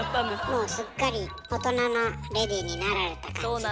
もうすっかり大人なレディーになられた感じでね。